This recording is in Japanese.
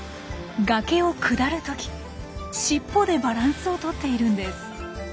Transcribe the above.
崖を下る時しっぽでバランスを取っているんです。